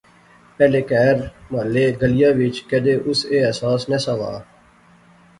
پہلے کہر، محلے، گلیا وچ کیدے اس ایہہ احساس نہسا وہا